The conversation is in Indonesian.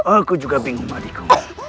aku juga bingung adikku